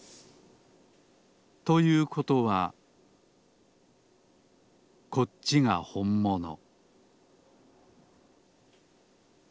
ということはこっちがほんもの